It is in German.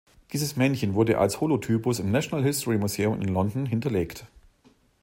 Dieses Männchen wurde als Holotypus im Natural History Museum in London hinterlegt.